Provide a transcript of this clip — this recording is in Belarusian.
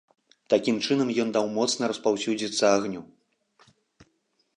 Такім чынам ён даў моцна распаўсюдзіцца агню.